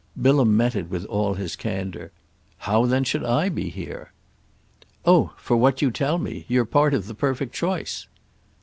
Bilham met it with all his candour. "How then should I be here? "Oh for what you tell me. You're part of the perfect choice."